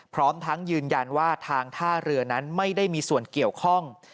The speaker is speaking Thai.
พร้อมทั้งยืนยันว่าทางท่าเรือนั้นไม่ได้มีส่วนเกี่ยวข้อง